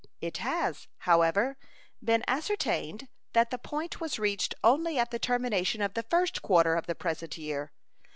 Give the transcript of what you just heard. It has, however, been ascertained that that point was reached only at the termination of the first quarter of the present year.